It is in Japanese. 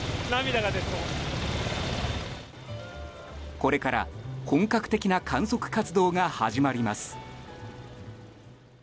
これから本格的な観測活動が始まります。